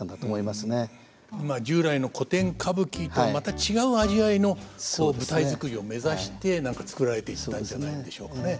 まあ従来の古典歌舞伎とまた違う味わいの舞台作りを目指して何か作られていったんじゃないんでしょうかね。